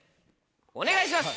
お願いします。